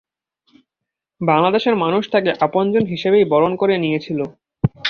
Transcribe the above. বাংলাদেশের মানুষ তাঁকে আপনজন হিসেবেই বরণ করে নিয়েছিল।